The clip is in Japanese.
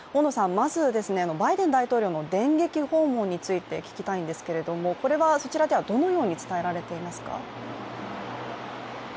まず、バイデン大統領の電撃訪問について聞きたいんですけれども、これはそちらではどのように伝えられていますか？